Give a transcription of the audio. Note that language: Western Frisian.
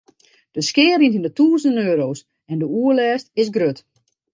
De skea rint yn 'e tûzenen euro's en de oerlêst is grut.